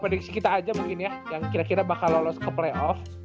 prediksi kita aja mungkin ya yang kira kira bakal lolos ke playoff